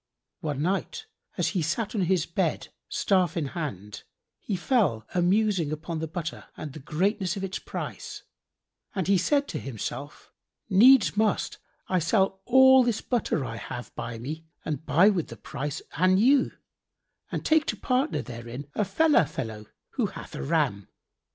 One night, as he sat on his bed, staff in hand, he fell a musing upon the butter and the greatness of its price and said in himself, "Needs must I sell all this butter I have by me and buy with the price an ewe and take to partner therein a Fellah[FN#68] fellow who hath a ram.